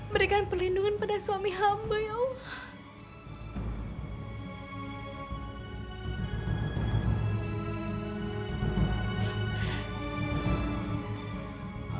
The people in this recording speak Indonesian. berikan pelindungan pada suami hamba ya allah